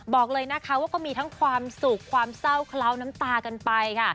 บอกเลยนะคะว่าก็มีทั้งความสุขความเศร้าเคล้าน้ำตากันไปค่ะ